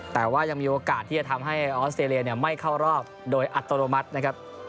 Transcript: แต่ว่ายังมีโอกาสที่จะทำให้ออสเตรเลียไม่เข้ารอบโดยอัตโนมัตินะครับ